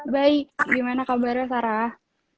baik gimana kabarnya sarah